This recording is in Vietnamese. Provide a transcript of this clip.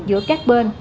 giữa các bên